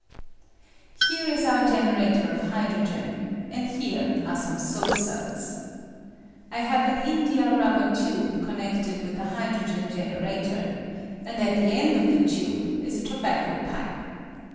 Here is our generator of hydrogen, and here are some soap suds. I have an India rubber tube connected with the hydrogen gen erator, and at the end of the tube i3 a tobacco pipe.